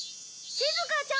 しずかちゃん